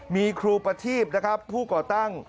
มีครูประทีปผู้ก่อตั้ง